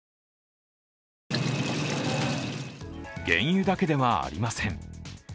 原油だけではありません。